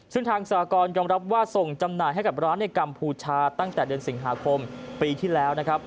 ซึ่งทางสากรยอมรับว่าส่งจำหน่ายให้กับร้านในกัมพูชาตั้งแต่เดือนสิงหาคมปีที่แล้วนะครับ